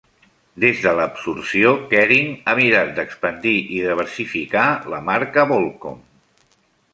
Des de l'absorció, Kering ha mirat d'expandir i diversificar la marca Volcom.